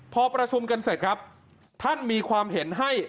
พอประชุมกันเสร็จครับท่านมีความเห็นให้